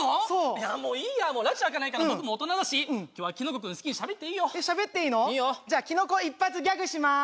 いやもういいやもうらち明かないから僕も大人だし今日はきのこ君好きにしゃべっていいよえっしゃべっていいの？じゃあきのこ一発ギャグします